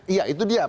iya itu dia